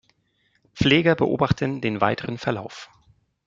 Pfleger beobachten den weiteren Verlauf.